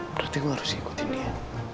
berarti gue harus ikutin dia